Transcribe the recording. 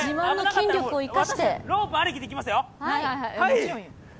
私はロープありきでいきますよ。